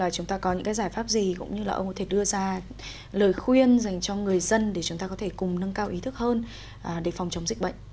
chúng ta có những cái giải pháp gì cũng như là ông có thể đưa ra lời khuyên dành cho người dân để chúng ta có thể cùng nâng cao ý thức hơn để phòng chống dịch bệnh